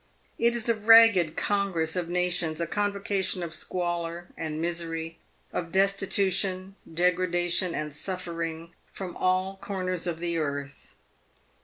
It is a ragged con gress of nations, a convocation of squalor and misery, of desti tution, degradation, and suffering, from all the corners of the^ earth.